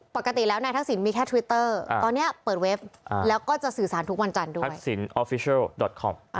ปกติแล้วในทักษิณมีแค่ทวิตเตอร์ตอนนี้เปิดเวฟแล้วก็จะสื่อสารทุกวันจันทร์ด้วย